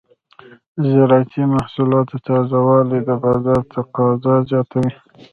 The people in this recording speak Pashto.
د زراعتي محصولاتو تازه والي د بازار تقاضا زیاتوي.